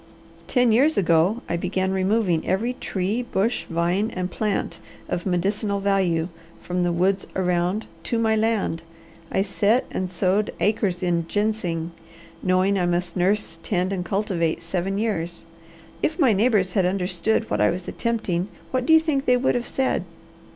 Ten years ago I began removing every tree, bush, vine, and plant of medicinal value from the woods around to my land; I set and sowed acres in ginseng, knowing I must nurse, tend, and cultivate seven years. If my neighbours had understood what I was attempting, what do you think they would have said?